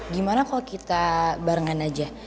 gimana kalau kita barengan aja